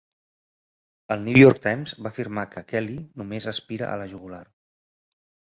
El "New York Times" va afirmar que Kelley "només aspira a la jugular.